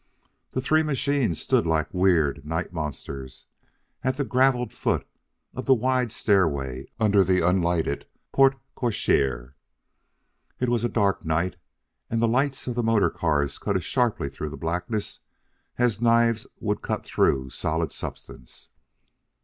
The three machines stood like weird night monsters at the gravelled foot of the wide stairway under the unlighted porte cochere. It was a dark night, and the lights of the motor cars cut as sharply through the blackness as knives would cut through solid substance.